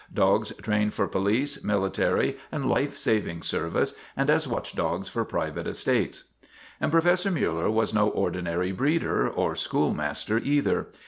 Dogs trained for police, military, and life saving service, and as watchdogs for private estates." And Professor Miiller was no ordinary breeder, or schoolmaster either.